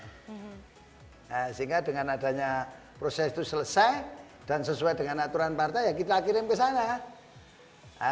sehingga dengan adanya proses itu selesai dan sesuai dengan aturan partai ya kita kirim ke sana kan